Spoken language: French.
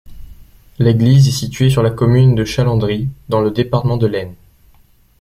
L'église est située sur la commune de Chalandry, dans le département de l'Aisne.